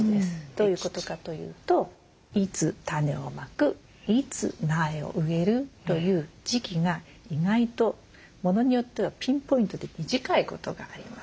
どういうことかというといつ種をまくいつ苗を植えるという時期が意外と物によってはピンポイントで短いことがあります。